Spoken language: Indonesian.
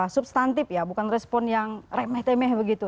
substantif ya bukan respon yang remeh temeh begitu